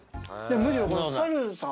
むしろ。